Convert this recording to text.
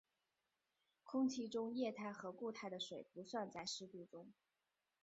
空气中液态或固态的水不算在湿度中。